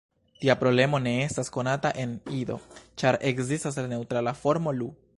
Tia problemo ne estas konata en Ido, ĉar ekzistas la neŭtra formo "lu".